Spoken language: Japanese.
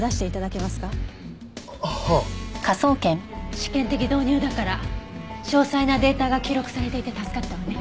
試験的導入だから詳細なデータが記録されていて助かったわね。